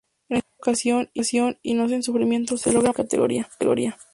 En esta ocasión, y no sin sufrimiento, se logró mantener la categoría.